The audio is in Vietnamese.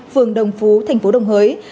phường đồng phú tp đồng hới